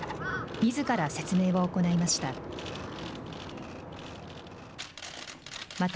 みずから説明を行いました。